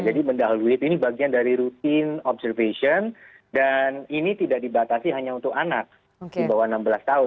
jadi mendahului ini bagian dari rutin observation dan ini tidak dibatasi hanya untuk anak di bawah enam belas tahun